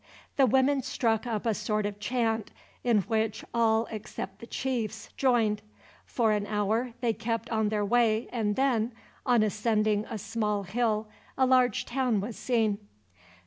The women struck up a sort of chant, in which all except the chiefs joined. For an hour they kept on their way and then, on ascending a small hill, a large town was seen.